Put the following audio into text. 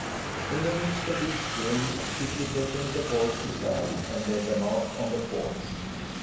In the midst of these games Kitty beckoned the boys aside and led them out on the porch.